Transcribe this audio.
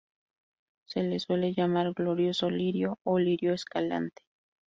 Se la suele llamar Glorioso lirio o lirio escalante.